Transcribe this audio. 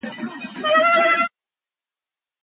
The field development services were provided by Halliburton.